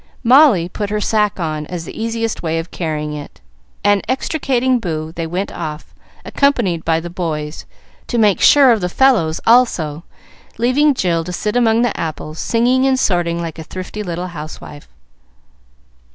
Molly put her sack on as the easiest way of carrying it, and, extricating Boo, they went off, accompanied by the boys, "to make sure of the fellows" also, leaving Jill to sit among the apples, singing and sorting like a thrifty little housewife.